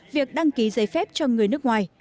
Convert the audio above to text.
việc đăng ký giấy phép cho người nước ngoài